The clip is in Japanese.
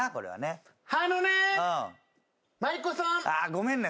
ごめんね。